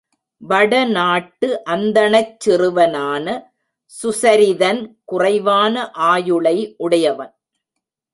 வட நாட்டு அந்தணச் சிறுவனான சுசரிதன் குறைவான ஆயுளை உடையவன்.